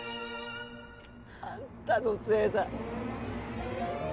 あんたのせいだ。